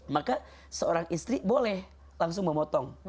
maka seorang istri boleh langsung memotong